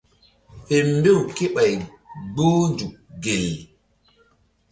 Fe mbew kéɓay gboh nzuk gel.